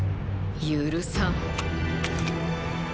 許さん。